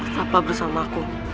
kenapa bersama aku